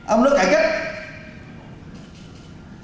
ông nó cải cách